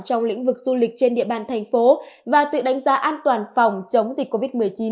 trong lĩnh vực du lịch trên địa bàn thành phố và tự đánh giá an toàn phòng chống dịch covid một mươi chín